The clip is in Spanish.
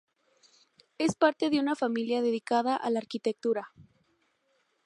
Es parte de una familia dedicada a la arquitectura.